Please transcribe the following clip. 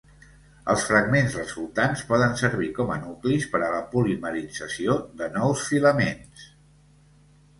Els fragments resultants poden servir com a nuclis per a la polimerització de nous filaments.